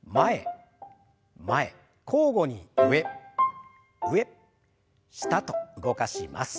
交互に上上下と動かします。